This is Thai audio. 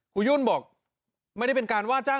ยุ่นบอกไม่ได้เป็นการว่าจ้าง